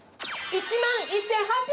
１万１８００円！